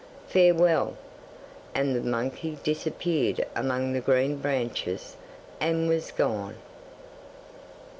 Farewell!' And the monkey disappeared among the green branches, and was gone.